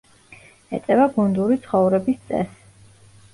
ეწევა გუნდური ცხოვრების წესს.